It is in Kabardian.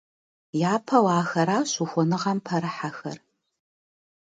Япэу ахэращ ухуэныгъэм пэрыхьэхэр.